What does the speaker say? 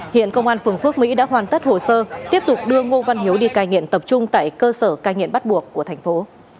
hiện công an phường phước mỹ đã hoàn tất hồ sơ tiếp tục đưa ngô văn hiếu đi cai nghiện tập trung tại cơ sở cai nghiện bắt buộc của thành phố